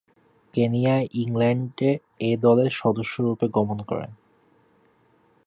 কেনিয়ায় England A দলের সদস্যরূপে গমন করেন।